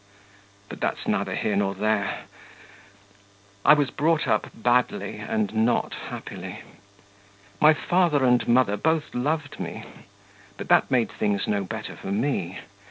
But that's neither here nor there. I was brought up badly and not happily. My father and mother both loved me; but that made things no better for me.